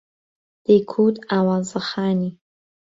دەیکوت ئاوازەخانی